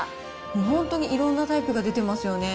本当にいろんなタイプが出ていますよね。